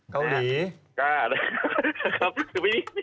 เกาหลีการ์ดไง